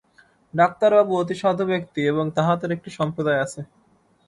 ডাক্তারবাবু অতি সাধু ব্যক্তি এবং তাঁহাদের একটি সম্প্রদায় আছে।